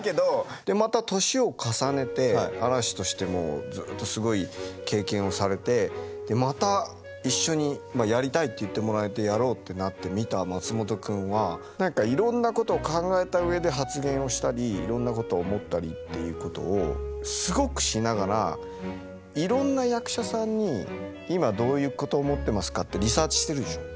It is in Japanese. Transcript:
でまた年を重ねて嵐としてもずっとすごい経験をされてまた一緒にやりたいと言ってもらえてやろうってなって見た松本君は何かいろんなことを考えた上で発言をしたりいろんなことを思ったりっていうことをすごくしながらいろんな役者さんに今どういうこと思ってますかってリサーチしてるでしょう？